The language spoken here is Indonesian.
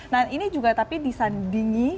nah ini juga tapi disandingi